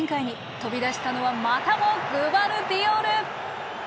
飛び出したのはまたもグバルディオル。